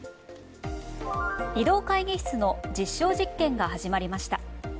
移動会議室の実証実験が始まりました。